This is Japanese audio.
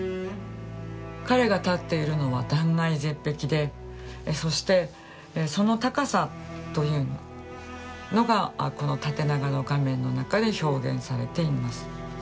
彼が立っているのは断崖絶壁でそしてその高さというのがこの縦長の画面の中で表現されています。